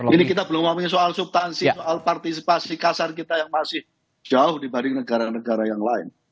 ini kita belum ngomongin soal subtansi soal partisipasi kasar kita yang masih jauh dibanding negara negara yang lain